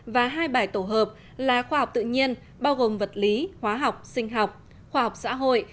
và hai bài tổ hợp là khoa học tự nhiên bao gồm vật lý hóa học sinh học khoa học xã hội